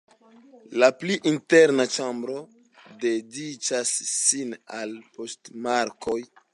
La pli interna ĉambro dediĉas sin al poŝtmarkoj.